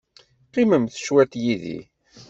Qqimemt cwiṭ yid-i.